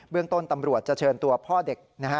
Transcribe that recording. เรื่องต้นตำรวจจะเชิญตัวพ่อเด็กนะฮะ